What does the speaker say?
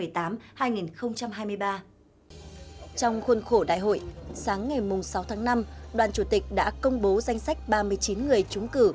trong khuôn khổ đại hội sáng ngày sáu tháng năm đoàn chủ tịch đã công bố danh sách ba mươi chín người trúng cử